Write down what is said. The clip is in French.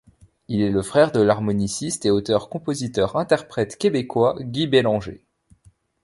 Il est le frère de l'harmoniciste et auteur-compositeur-interprète québécois Guy Bélanger.